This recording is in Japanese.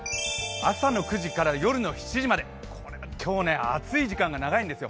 朝の９時から夜の７時まで今日は暑い時間が長いんですよ。